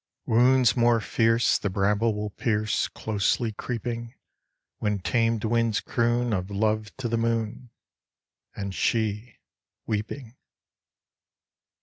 48 Wounds more fierce The bramble will pierce Closely creeping When tamed winds croon Of love to the moon And she weeping.